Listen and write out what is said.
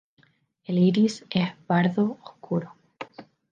El iris es pardo oscuro.